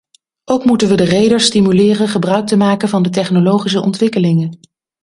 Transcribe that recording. Ook moeten we de reders stimuleren gebruik te maken van de technologische ontwikkelingen.